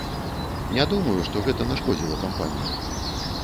Не думаю, што гэта нашкодзіла кампаніі.